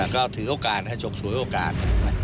ก็ถือโอกาสชกชวยโอกาส